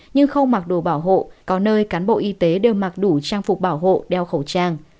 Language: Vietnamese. nhưng không mặc đồ bảo hộ có nơi cán bộ y tế đều mặc đủ trang phục bảo hộ đeo khẩu trang